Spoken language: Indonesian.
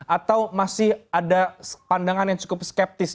atau masih ada pandangan yang cukup skeptis